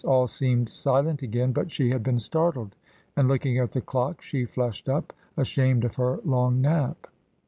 All seemed silent again, but she had been startled, and looking at the clock she flushed up, ashamed of her long nap.